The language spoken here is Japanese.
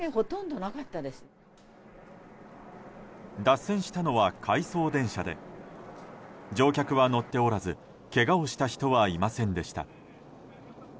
脱線したのは回送電車で乗客は乗っておらずけがをした人はいませんでした。